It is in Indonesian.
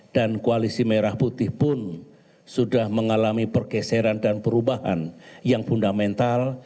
dan koalisi merah putih pun sudah mengalami pergeseran dan perubahan yang fundamental